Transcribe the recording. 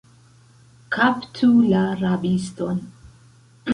Kaptu la rabiston!